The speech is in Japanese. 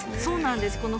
そうなんです。